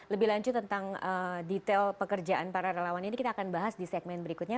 lebih lanjut tentang detail pekerjaan para relawan ini kita akan bahas di segmen berikutnya